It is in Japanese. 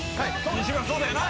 西村そうだよな？